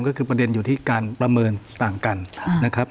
ก็คือประเด็นอยู่ที่การประเมินต่างกันนะครับ